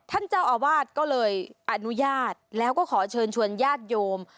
ท่านเจ้าอาวาสก็เลยอนุญาตแล้วก็ขอเชิญชวนญาติโยม